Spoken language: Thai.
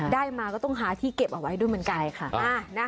ได้มาก็ต้องหาที่เก็บเอาไว้ด้วยเหมือนกันค่ะ